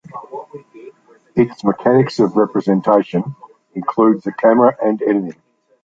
Its mechanics of representation include the camera and editing.